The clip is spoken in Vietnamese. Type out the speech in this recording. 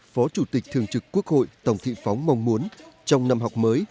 phó chủ tịch thường trực quốc hội tổng thị phóng mong muốn trong năm học mới